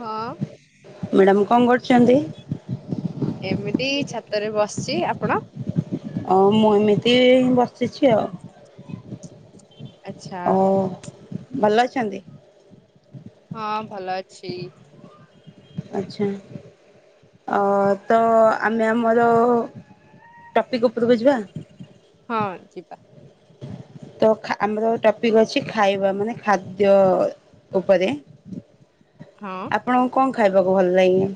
ହଁ ମ୍ୟାଡାମ କଣ କରୁଚନ୍ତି? ଏମିତି ଛାତରେ ବସିଛି ଆପଣ। ଅ ମୁଁ ଏମିତି ବସିଛି ଆଉ। ଆଚ୍ଛା ଓ ଭଲ ଅଛନ୍ତି। ହଁ ଭଲ ଅଛି। ଆଚ୍ଛା। ଅ ତ ଆମେ ଆମର ଟପିକ ଉପରକୁୁ ଯିବା। ହଁ ଯିବା। ତ ଆମର ଟପିକ୍ ହଉଛି ଖାଇବା ମାନେ ଖାଦ୍ୟ ଉପରେ। [inaudible] ହଁ। ଆପଣଙ୍କୁ କଣ ଖାଇବାକୁ ଭଲ ଲାଗେ?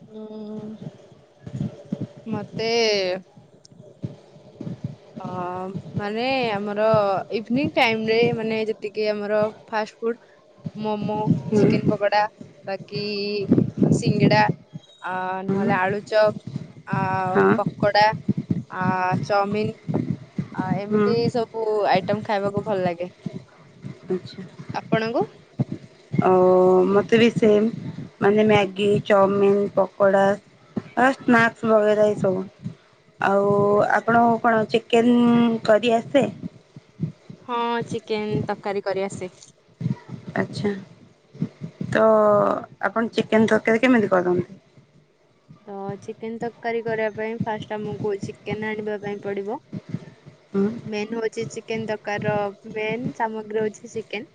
ଉଁ ମତେ ଅ ମାନେ ଆମର ଇଭନିଙ୍ଗ୍ ଟାଇମ୍ ରେ ମାନେ ଯେତିକି ଆମର ଫାଷ୍ଟ ଫୁଡ୍। ମୋମୋ ହୁଁ ଚିକେନ୍ ପକଡା। ବାକି ସିଙ୍ଗଡା ଅ ହୁଁ ନହେଲେ ଆଳୁଚପ୍। ଅ ହଁ ପକଡା ଅ ଚାଉମିିନ୍। ଆ ହୁଁ ଏମିତି ସବୁ ଆଇଟମ୍ ଖାଇବାକୁ ଭଲ ଲାଗେ ଆପଣଙ୍କୁ? ଅ ମତେ ବି ସେମ୍ ମାନେ ମ୍ୟାଗି ଚାଉମିନ୍ ପକଡ଼ା। ଅ ସ୍ନାକ୍ସ ବଗେରା ଏସବୁ। ଆଉ ଆଚ୍ଛା। ଆପଣଙ୍କୁ କଣ ଚିକେନ୍ କରି ଆସେ? ହଁ ଚିକେନ୍ ତରକାରୀ କରି ଆସେ। ଆଚ୍ଛା ତ ଆପଣ ଚିକେନ୍ ତରକାରୀ କେମିତି କରନ୍ତି? ତ ଚିକେନ୍ ତରକାରୀ କରିବା ପାଇଁ ଫାଷ୍ଟ ଆମକୁ ଚିକେନ୍ ଆଣିବା ପାଇଁ ପଡିବ। ହୁଁ। ମେନ୍ ହଉଛି ଚିକେନ୍ ତରକାରି ର ମେନ୍ ସାମଗ୍ରୀ ହଉଚି ଚିକେନ୍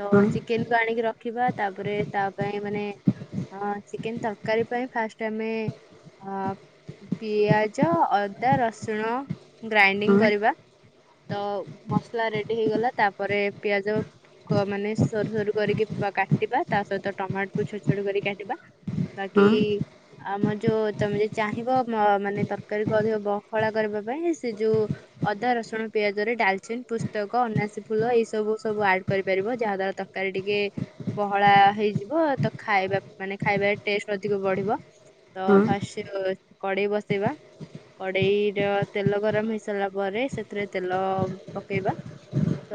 ତ ହୁଁ ଚିକେନ୍ କୁ ଆଣିକି ରଖିବା ତାପରେ ତା ପାଇଁ ମାନେ ହଁ ଚିକେନ୍ ତରକାରୀ ପାଇଁ ଫାଷ୍ଟ ତମେ ଅ ପିଆଜ ଅଦା ରସୁଣ ହୁଁ ଗ୍ରାଇଣ୍ଡିଙ୍ଗ କରିବା ତ ମସଲା ରେଡି ହେଇଗଲା ତାପରେ ପିଆଜ କ ମାନେ ସରୁ ସରୁ କରିକି କାଟିବା ତା ସହିତ ଟମାଟକୁୁ ଛୋଟ ଛୋଟ କରି କାଟିବା। ବାକି ହୁଁ ଆମ ଯୋଉ ତମେ ଯଦି ଚାହିଁବ ମ ମାନେ ତରକାରୀ କରିବ ବହଳା କରିବା ପାଇଁ ସେ ଯୋଉ ଅଦା ରସୁଣ ପିଆଜ ରେ ଡାଲଚିନ୍ ପୁସ୍ତକ ଅନାସୀ ଫୁଲ ଏଇ ସବୁ ସବୁ ଆଡ କରିପାରିବ ଯାହା ଦ୍ବା ତ କାରୀ ଟିକେ ବହଳା ହେଇଯିବ ତ ଖାଇବା ମାନେ ଖାଇବାରେ ଟେଷ୍ଟ ଅଧିକ ବଢିବ। ତ ହୁଁ ଫାଷ୍ଟ ଏ କଡେଇ ବସେଇବା। କଡେଇ ର ତେଲ ଗରମ ହେଇ ସାରିଲା ପରେ ସେଥିରେ ତେଲ ପକେଇବା।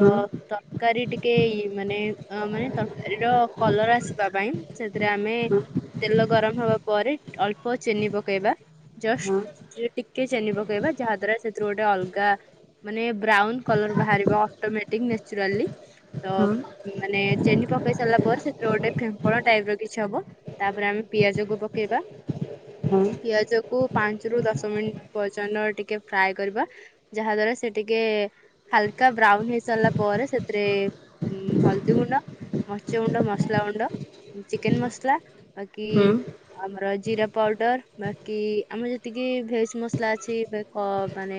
ତ ତରକାରୀ ଟିକେ ଇ ମାନେ ଅ ମାନେ ତରକାରୀର କଲର ଆସିବା ପାଇଁ ସେଥିରେ ଆମେ ହୁଁ ତେଲ ଗରମ ହବା ପରେ ଅଳ୍ପ ଚିନି ପକେଇବା ଜଷ୍ଟ। ସେଥିରେ ଟିକେ ଚିନି ପକେଇବା ଯାହା ଦ୍ଵାରା ସେଥିରୁ ଗୋଟେ ଅଲଗା ମାନେ ବ୍ରାଉନ୍ କଲର ବାହାରିବ ଅଟୋମେଟିକ ନେଚୁରାଲି ତ ହୁଁ ହୁଁ ମାନେ ଚିନି ପକେଇ ସାରିଲା ପରେ ସେଥିରେ ଗୋଟେ ଫିମ୍ପଳା ଟାଇପ୍ ର କିଛି ହବ ତାପରେ ଆମେ ପିଆଜକୁ ପ କେଇବା। ହଁ। ପିଆଜ କୁ ପାଞ୍ଚ ରୁ ଦଶ ମିନିଟ୍ ପର୍ଯ୍ୟନ୍ତ ଟିକେ ଫ୍ରାଏ କରିବା। ଯାହା ଦ୍ଵାରା ସେ ଟିକେ ହାଲକା ବ୍ରାଉନ୍ ହେଇ ସାରିଲା ପରେ ସେଥିରେ ଉ ହଳଦୀ ଗୁଣ୍ଡ ମର୍ଚ ଗୁଣ୍ଡ ମସଲା ଗୁଣ୍ଡ ଚିକେନ୍ ମସଲା ବାକି ହୁଁ ହୁଁ ହଁ ହୁଁ ହୁଁ ହୁଁ ଆମର ଜିରା ପାଉଡର ବାକି ଆମର ଯେତିକି ଭେଜ ମସଲା ଅଛି ମାନେ କ ମାନେ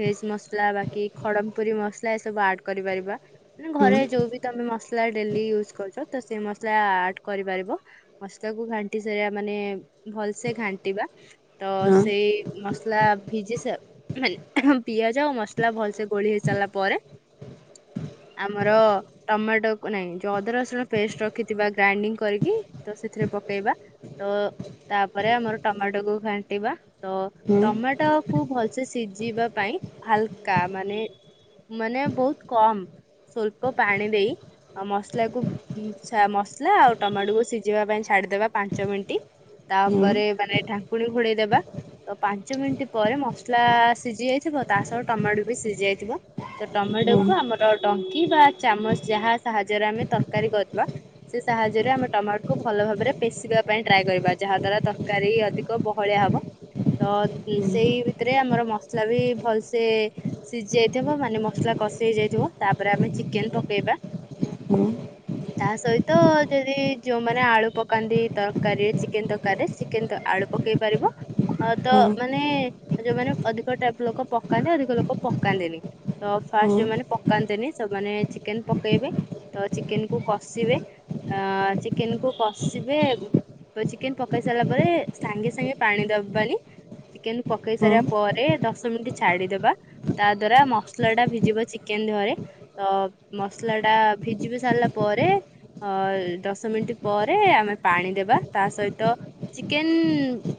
ଭେଜ ମସଲା ବାକି ଖଡମ ପୁରୀ ମସଲା ଏ ସବୁ ଆଡ କରିପାରିବା ମାନେ ହୁଁ ଘରେ ଯୋଉ ବି ତମେ ମସଲା ଡେଲି ୟୁଜ କରୁଛ ତ ସେଇ ମସଲା ଆଡ କରିପାରିବ ମସଲା କୁ ଘାଣ୍ଟି ସେଇଆ ମାନେ ଭଲ ସେ ଘାଣ୍ଟିବା ତ ସେଇ ମସ ଲା ଭିଜି ସ ହୁଁ- ହୁଁ -ପିଆଜ ମସଲା ଭଲସେ ଗୋଳି ହେଇ ସାରିଲା ପରେ ଆମର ଟମାଟୋକୁ ନାଇଁ ଯୋଉ ଅଦା ରସୁଣ ପେଷ୍ଟ ରଖିଥିବା ଗ୍ରାଇଣ୍ଡିଙ୍ଗ କରିକି ତ ସେଥିରେ ପକେଇବା। ତ ତାପରେ ଆମର ଟମାଟୋକୁୁ ଘାଣ୍ଟିବା ତ ଟମାଟୋ କୁ ଭଲସେ ସିଝିବା ପାଇଁ ହାଲକା ମାନେ ମାନେ ବହୁତ କମ ସୋଳ୍ପ୍ ପାଣି ଦେଇ ଆ ମସଲା କୁ ମସଲା ଆଉ ଟମାଟୋକୁ ସିଝିବା ପାଇଁ ଛାଡିଦେବା ପାଞ୍ଚ ମିନିଣ୍ଟ ତାପରେ ମାନେ ଢାଙ୍କୁଣୀ ଘୋଡେଇଦବା। ତ ପାଞ୍ଚ ମିନିଣ୍ଟ ପରେ ମସଲା ସିଝି ଯାଇଥିବ। ତା ସହ ଟମାଟୋ ବି ସିଝି ଯାଇଥିବ। ସେ ହୁଁ ହୁଁ ହୁଁ ହୁଁ ଟମାଟୋକୁୁ ଆମର ଡଙ୍କି ବା ଚାମଚ ଯାହା ସାହାଯ୍ୟରେ ଆମେ ତରକାରୀ କରିବା। ସେ ସାହାଯ୍ୟରେ ଆମେ ଟମାଟୋକୁୁ ଭଲ ଭାବରେ ପେଶିବା ପାଇଁ ଟ୍ରାଏ କରିବା ଯାହା ଦ୍ଵାରା ତରକାରୀ ଅଧିକ ବହଳିଆ ହବ। ତ ସେଇ ଭିତରେ ଆମର ମସଲା ବି ଭଲସେ ସିଝି ଯାଇଥିବ। ମାନେ ମସଲା କଷି ହେଇ ଯାଇଥିବ। ତାପରେ ଆମେ ଚିକେନ ପକେଇବା। ହୁଁ ତା ସହିତ ଯଦି ଯୋଉମାନେ ଆଳୁ ପ କାନ୍ତି ତରକାରୀରେ ଚିକେନ ତରକାରୀରେ ଚିକେନ ତ ଆଳୁ ପକେଇ ପାରିବ। ଅ ତ ମାନେ ଯୋଉମାନେ ଅଧିକ ଟାଇପ ଲୋକ ପକାନ୍ତି। ଅଧିକ ଲୋକ ପକାନ୍ତିନି ତ ଫାଷ୍ଟ ଯୋଉମାନେ ପ ପକାନ୍ତିନି ସେମାନେ ଚିକେନ ପକେଇବେ ତ ଚିକେନ କୁ କଷିବେ। ଅ ଚିକେନ କୁ କ କସିବେ ଚିକେନ ପକେଇ ସାରିଲା ପରେ ସାଙ୍ଗେ ସାଙ୍ଗେ ପାଣି ଦବାନି। ଚିକେନ ପକେଇ ସାରିବା ପରେ ଦଶ ମିନିଟ ଛାଡିଦବା ତା ଦ୍ଵାରା ମସଲା ଟା ଭିଜିବ ଚିକେନ ଦେହରେ ତ ମସଲା ଟା ଭିଜିବି ସାରିଲା ପରେ ଅ ଦଶ ମିନିଟ ପ ରେ ଆମେ ପାଣି ଦେବା ତା ସହିତ ଚିକେନ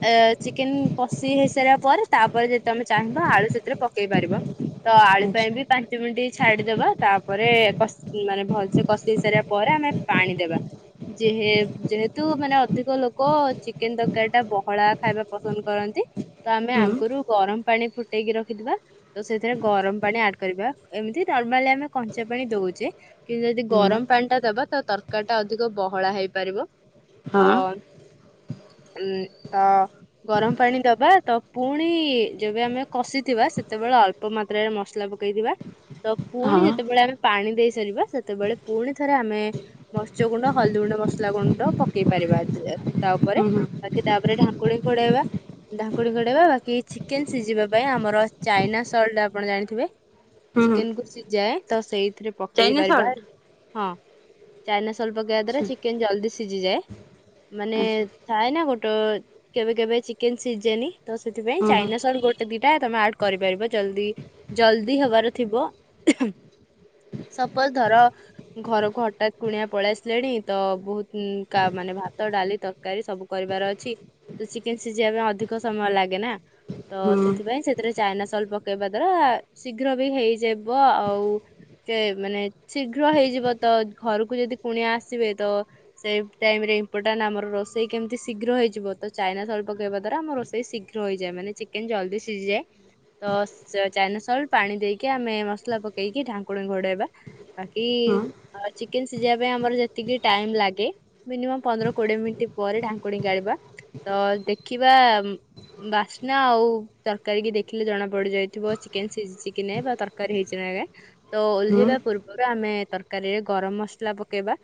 ଏ ଚିକେନ କଷି ହେଇସାରିବା ପରେ ତାପରେ ଯେଦି ତମେ ଚାହିଁବ ଆଳୁ ସେଥିରେ ପକେଇ ପାରିବ। ତ ଆଳୁ ପାଇଁ ଆଚ୍ଛା ବି ପାଞ୍ଚ ମିନିଟ୍ ଛାଡିଦବା ତାପରେ କସି ମାନେ ଭଲସେ କଷେଇ ସାରିବା ପରେ ଆମେ ପାଣି ଦେବା। ଯେହେ ଯେହେତୁ ମାନେ ଅଧିକ ଲୋକ ଚିକେନ ତରକାରୀ ଟା ବହଳା ଖାଇବା ପସନ୍ଦ କରନ୍ତି। ତ ଆମେ ହୁଁ ହୁଁ ଆଗୁରୁ ଗରମ ପାଣି ଫୁଟେଇକି ରଖିଥିବା। ତ ସେଥିରେ ଗରମ ପାଣି ଆଡ୍ କରିବା। ଏମିତି ନର୍ମାଲି ଆମେ କଞ୍ଚା ପାଣି ଦଉଛେ। କିନ୍ତୁ ଯଦି ହଁ ଗରମ ପାଣିଟା ଦବା ତ ତରକାରୀ ଟା ଅଧିକ ବହଳା ହେଇପାରିବ। ତ ଉଁ ତ ଗରମ ପାଣି ଦବା ତ ପୁଣି ଯେବେ ଆମେ କଷିଥିବା। ସେତେବେଳେ ଅଳ ଳ୍ପ ମାତ୍ରାରେ ମସଲା ପକେଇ ଥିବା। ତ ପୁଣି ହଁ ଯେତେବେଳେ ଆମେ ପାଣି ଦେଇ ସାରିବା। ସେତେବେଳେ ପୁଣି ଥରେ ଆମେ ମର୍ସ୍ୟ ଗୁଣ୍ଡ, ହଳଦୀ ଗୁଣ୍ଡ ମ ସଲା ଗୁଣ୍ଡ ପକେଇ ପାରିବା ତା ହୁଁ ଉପରେ ହୁଁ ହୁଁ ବାକି ତା ଉପରେ ଢାଙ୍କୁଣି ଘୋଡେଇବା। ଢାଙ୍କୁଣି ଘୋଡ଼େଇବା। ବାକି ଚିକେନ ସିଝିବା ପାଇଁ ଆମର ଚାଇନା ସଲ୍ଟ ଆପଣ ଜାଣିଥିବେ ହୁଁ ଚିକେନ କୁ ସିଝାଏ। ତ ସେଇଥିରେ ପକେଇ ଚାଇନା ପାରିବା। ସଲ୍ଟ ହଁ ଚାଇନାସଲ୍ଟ ପକେଇବା ଦ୍ଵାରା ଆଚ୍ଛା ଚିକେନ ଜଲ୍ଦି ସିଝିଯାଏ। ମାନେ ଆଚ୍ଛା ଥାଏ ନା ଗୋଟେ କେବେ କେବେ ଚିକେନ ସିଜେନି ତ ସେଥିପାଇଁ ହୁଁ ହୁଁ ଚାଇନା ସଲ୍ଟ ଗୋ ଦିଟା ତମେ ଆଡ କରିପାରିବ। ଜଲଦି ଜଲଦି ହବାର ଥିବ। ସପୋଜ୍ ଧର ଘରକୁ ହଠାତ୍ କୁଣିଆ ପଳେଇ ଆସିଲେଣି। ତ ବହୁତ୍ ଉଁ କା ମାନେ ଭାତ, ଡାଲି, ତରକାରୀ ସବୁ କରିବାର ଅଛି। ତ ଚିକେନ୍ ସିଝିବା ପାଇଁ ଅଧିକ ସମୟ ଲାଗେ ନାଁ ତ ହୁଁ ସେଥିପାଇଁ ସେ ଥିରେ ଚାଇନା ସଲ୍ଟ ପକେଇବା ଦ୍ଵାରା ଶୀଘ୍ର ବି ହେଇଯିବ ଆଉ। ସେ ମାନେ ଶୀଘ୍ର ହେଇଯିବ ତ ଘରୁକୁ ଯେଦି କୁଣିଆ ଆସିବେ ତ ସେଇ ଟାଇମ୍ ରେ ଇମ୍ପୋର୍ଟାଣ୍ଟ ଆମର ରୋଷେଇ କେମିତି ଶୀଘ୍ର ହେଇଯିବ ତ ଚାଇନା ସଲ୍ଟ ପକେଇବା ଦ୍ଵାରା ଆମ ରୋଷେଇ ସି ଘ୍ର ହୋଇଯାଏ ମାନେ ଚିକେନ୍ ଜଲ୍ଦି ସିଝିଯାଏ। ତ ସ ଚାଇନା ସଲ୍ଟ ପାଣି ଦେଇକି ଆମେ ମସଲା ପକେଇକି ଢାଙ୍କୁଣୀ ଘୋଡେଇବା। ବାକି ହୁଁ ଆ ଚିକେନ୍ ସିଝିବା ପାଇଁ ଆମର ଯେ ଟିକେ ଟାଇମ୍ ଲାଗେ ମିନିମମ୍ ପନ୍ଦର କୋଡିଏ ମିନିଟ୍ ପରେ ଢାଙ୍କୁଣି କାଢ଼ିବା। ତ ଦେଖିବା ବାସ୍ନା ଆଉ ତରକାରୀ କି ଦେଖିଲେ ଜଣା ପଡି ଯାଇଥିବ ଚିକେନ୍ ସିଝିଛି କି ନାଇଁ ବା ତରକାରୀ ହେଇଛି ନାଁ ନାଇଁ। ତ ହୁଁ ଓହ୍ଲେଇବା ପୂର୍ବରୁ ଆମେ ତରକାରୀରେ ଗରମ ମସଲା ପକେଇବା।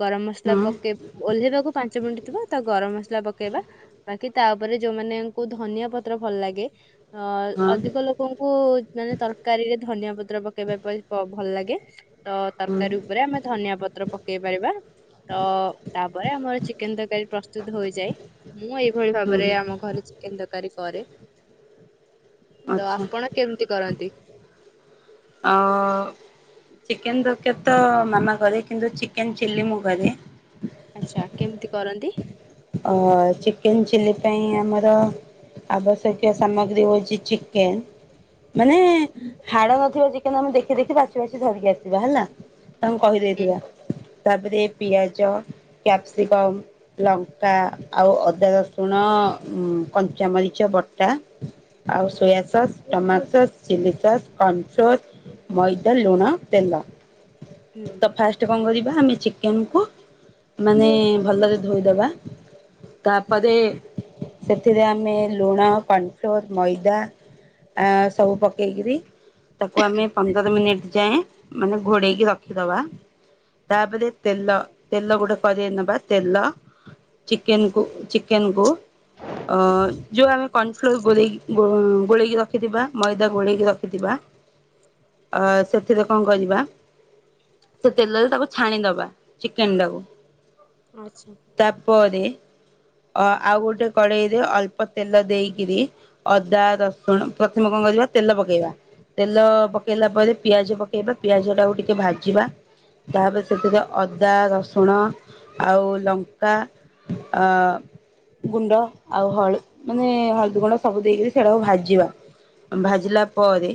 ଗରମ ମସଲା ହୁଁ ପକେଇ ଓହ୍ଲେଇବାକୁ ପାଞ୍ଚ ମିନିଟ୍ ଥିବା ତା ଗରମ ମସଲା ପକେଇବା। ବାକି ତା ଉପରେ ଯୋଉ ମାନଙ୍କୁ ଧନିଆ ପତ୍ର ଭଲ ଲାଗେ ଅ ହଁ ଅଧିକ ଲୋ କଙ୍କୁ ମାନେ ତରକାରୀ ରେ ଧନିଆ ପତ୍ର ପକେଇବା ପାଇଁ ବ ଭଲ ଲାଗେ। ତ ହୁଁ ତରକାରୀ ଉପରେ ଆମେ ଧନିଆ ପତ୍ର ପ କେଇ ପାରିବା ତ ତାପରେ ଆମର ଚିକେନ୍ ତରକାରୀ ପ୍ରସ୍ତୁତ ହୋଇଯାଏ। ମୁଁ ଏଇଭଳି ହୁଁ ଭାବରେ ଆମ ଘରେ ଚିକେନ୍ ତରକାରୀ କରେ। ତ ଆଚ୍ଛା ଆପଣ କେମିତି କରନ୍ତି? ଅ ଚିକେନ୍ ତରକାରୀ ତ ମାମା କରେ କିନ୍ତୁ ଚିକେନ୍ ଚିଲ୍ଲି ମୁଁ କରେ। ଆଚ୍ଛା କେମିତି କରନ୍ତି? ଅ ଚିକେନ୍ ଚିଲ୍ଲି ପାଇଁ ଆମର ଆବଶ୍ୟକୀୟ ସାମଗ୍ରୀ ହଉଚି ଚିକେନ୍। ମାନେ ହାଡ ନଥିବ ଚିକେନ୍ ଆମେ ଦେଖି ଦେଖି ବାଛି ବାଛି ଧରିକି ଆସି ଯା ହେଲା ତାଙ୍କୁ ହୁଁ କହିଦେଇଥିବା। ତାପରେ ପିଆଜ, କ୍ୟାପ୍ସିକମ୍, ଲ ଙ୍କା ଆଉ ଅଦା, ରସୁଣ, କଞ୍ଚାମରିଚ ବଟା। ଆଉ soya sauce tomato sauce chilli sauce କନ୍ ଫ୍ଲୋର୍। ମଇଦା ଲୁଣ ତେଲ। ତ ହୁଁ ଫାଷ୍ଟ କଣ କରିବା ଆମେ ଚିକେନ୍ କୁୁ ମାନେ ଭଲରେ ଧୋଇଦବା। ତା ପରେ ସେଥିରେ ଆମେ ଲୁଣ ପନ୍ ଫ୍ଲୋର୍ ମଇଦା। ଆ ସବୁ ପକେଇକିରି ତାକୁ ଆମେ ପନ୍ଦର ମିନିଟ୍ ଯାଏଁ ମାନେ ଘୋଡେଇକି ରଖିଦବା। ତାପରେ ତେଲ ତେଲ ଗୁଡ଼େ କରେଇରେ ନେବା ତେଲ ଚିକେନ୍ କୁ ଚିକେନ୍ କୁ। ଅ ଯୋଉ ଆମେ କନ୍ ଫ୍ଲୋର୍ ଗୋଳେଇ ଗୋଳେଇକି ରଖିଥିବା ମଇଦା ଗୋଳେଇକି ରଖିଥିବା। ଅ ସେଥିରେ କଣ କରିବା? ସେ ତେଲରେ ତାକୁ ଛାଣିଦବା ଚିକେନ୍ ଟାକୁ। ଆଚ୍ଛା। ପରେ ଅ ଆଉ ଗୋଟେ କଡ଼େଇରେ ଅଳ୍ପ ତେଲ ଦେଇକିରି ଅ ଅଦା ରସୁଣ ପ୍ରଥମେ କଣ କରିବ ତେଲ ପକେଇବା ତେଲ ହୁଁ, ପକେଇଲା ପରେ ପିଆଜ ପ ପକେଇବା ପିଆଜ ଟାକୁ ଟିକେ ଭାଜିବା। ତାପରେ ସେଥିରେ ଅଦା ରସୁଣ ଆଉ ଲଙ୍କା ଅ ଗୁଣ୍ଡ ଆଉ ହଳ ମାନେ ହଳଦୀ ଗୁଣ୍ଡ ସବୁ ଦେଇକିରି ସେଇଟାକୁ ଭାଜିବା ଭାଜିଲା ପରେ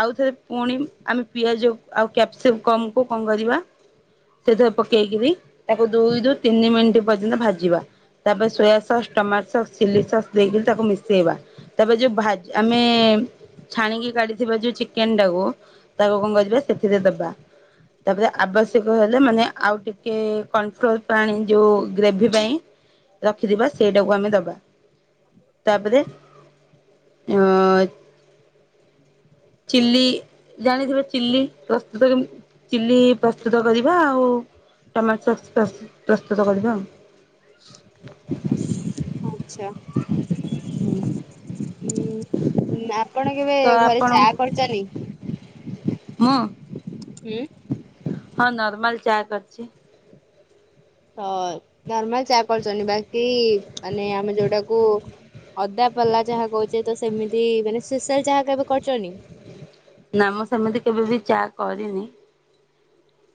ଆଉଥରେ ପୁଣି ଆମେ ପିଆଜ ଆଉ କ୍ୟାପସିପ୍ କମ କୁ କଣ କରିବା ସେଥିରେ ପକେଇକିରି ତାକୁ ଦୁଇ ରୁ ତିନି ମିନିଟ ସେଟା ଭାଜିବା ତାପରେ soya sauce tomato sauce chilli sauce ଦେଇକି ତାକୁ ମିଶେଇବା। ତାପରେ ଯୋଉ ଭା ଆମେ ଛାଣିକି କାଢିଥିବା ଯୋଉ ଚିକେନ ଟାକୁ ତାକୁ କଣ କରିବା ସେଥିରେ ଦବା। ତାପରେ ଆବଶ୍ୟକ ହେଲେ ମାନେ ଆଉ ଟିକେ କନଫ୍ଲୋର ପାଣି ଯୋଉ ଗ୍ରେଭି ପାଇଁ ରଖିଥିବା ସେଇଟାକୁ ଆମେ ଦବା ତାପରେ ଅ ଚିଲ୍ଲି ଜାଣିଥିବେ ଚିଲ୍ଲି [unintelligible] ଚିଲ୍ଲି ପ୍ରସ୍ତୁତ କରିବା ଆଉ ଟମାଟୋ ସସ ପ୍ରସ ପ୍ରସ୍ତୁତ କରିବା ଆଉ। ଆଛା। [inaudible] ହୁଁ ନାପ ତ ଆପଣ ହୁଁ ହୁଁ। ହଁ ନର୍ମାଲ ଚା କରିଛି। ତ ନର୍ମାଲ ଚା କରୁଛନ୍ତି ବାକି ମାନେ ଆମେ ଯୋଉଟାକୁ ଅଦାପଲା ଯାହା କହୁଛେ ତ ସେମିତି ମାନେ ସ୍ପେଶାଲ ଯାହା କେବେ କରୁଛନ୍ତି? ନା ମୁଁ ସେମିତି କେବେବି ଚା କରିନି।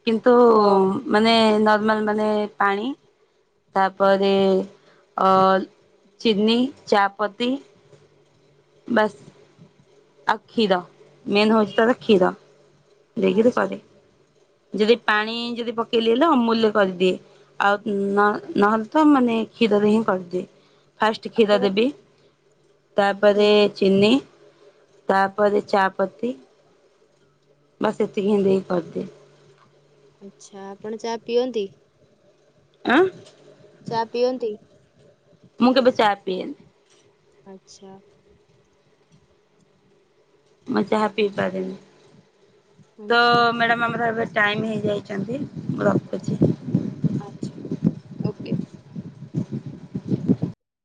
କିନ୍ତୁ ତମ ମାନେ ନର୍ମାଲ ମାନେ ପାଣି ତାପରେ ଅ ଚିନି ଚାପତି ବାସ ଆଉ କ୍ଷୀର ମେନ ହୋଉଛି ତାର କ୍ଷୀର। ଦେଇକିରି ଆଚ୍ଛା କରେ ଯଦି ପାଣି ଯଦି ପକେଇଲି ହେଲେ ଅମୁଲ ରେ କରିଦିଏ। ଆଉ ନ ନହେଲେ ତ ମାନେ କ୍ଷୀରରେ ହିଁ କରିଦିଏ। ଫାଷ୍ଟ କ୍ଷୀର ଆପଣ ଦେବି ହୁଁ ତାପରେ ଚିନି ତାପରେ ଚାପତି ଏତିକି ହିଁ ଦେଇ କରିଦିଏ। ଆଚ୍ଛା ଆପଣ ଚା ପିଅନ୍ତି? ଆଁ ଚା ପିଅନ୍ତି? ମୁଁ କେବେ ଚା ପିଏନି। ଆଛା। ମୁଁ ଚାହା ପିଇପାରେନି ତ ଆଚ୍ଛା ମ୍ୟାଡାମ ଆମର ଏବେ ଟାଇମ୍ ହେଇଯାଇଛନ୍ତି ମୁଁ ରଖୁଛି। ଆଛା ଓକେ। [inaudible]